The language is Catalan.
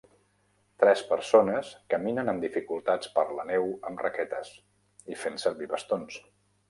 Tres persones caminen amb dificultats per la neu amb raquetes i fent servir bastons.